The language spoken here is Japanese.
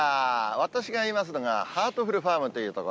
私がいますのが、ハートフルファームという所。